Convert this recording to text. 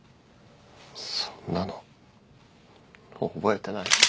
そんなの覚えてない。